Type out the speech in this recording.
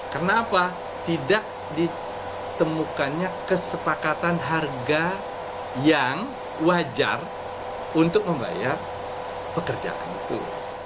karena apa tidak ditemukannya kesepakatan harga yang wajar untuk membayar pekerjaan itu